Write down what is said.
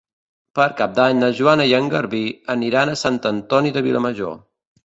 Per Cap d'Any na Joana i en Garbí aniran a Sant Antoni de Vilamajor.